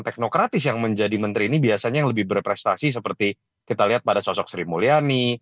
dan demokratis yang menjadi menteri ini biasanya yang lebih berprestasi seperti kita lihat pada sosok sri mulyani